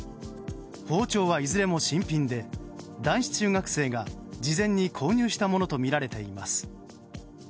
包丁はいずれも新品で男子中学生が事前に購入したものとみられています。